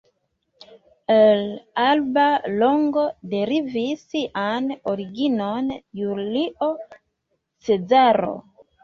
El Alba Longo derivis sian originon Julio Cezaro.